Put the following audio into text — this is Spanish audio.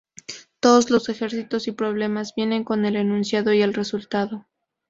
Todos los ejercicios y problemas vienen con el enunciado y el resultado.